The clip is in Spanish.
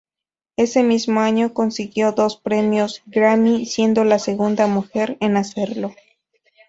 Ese mismo año, consiguió dos premios Grammy, siendo la segunda mujer en hacerlo.